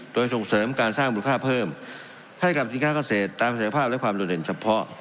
โดยส่งเสริมการสร้างมูลค่าเพิ่มให้กับสินค้าเกษตรตามศักยภาพและความโดดเด่นเฉพาะ